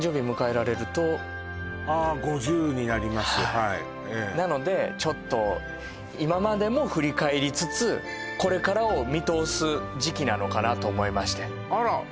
あ５０になりますはいはいなのでちょっと今までも振り返りつつこれからを見通す時期なのかと思いましてあら